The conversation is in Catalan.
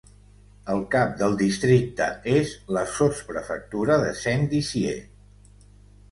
El cap del districte és la sotsprefectura de Saint-Dizier.